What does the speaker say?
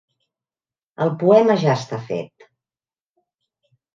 El poema ja està fet.